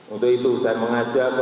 untuk itu saya mengajak warga besar